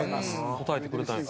答えてくれたんや。